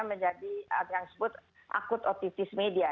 menjadi yang disebut akut otivis media